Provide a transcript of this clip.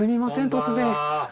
突然。